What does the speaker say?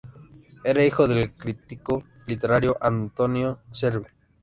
Era hijo del crítico literario Antonio Cervi.